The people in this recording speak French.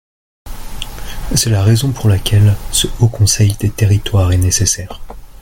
C’est la raison pour laquelle ce Haut conseil des territoires est nécessaire.